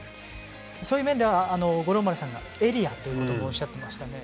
そういう面では五郎丸さんはエリアという言葉をおっしゃっていましたね。